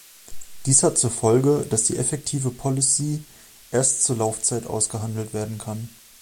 Dies hat zur Folge, dass die effektive Policy erst zur Laufzeit ausgehandelt werden kann.